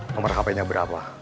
nomor hpnya berapa